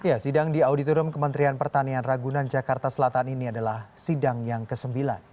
ya sidang di auditorium kementerian pertanian ragunan jakarta selatan ini adalah sidang yang ke sembilan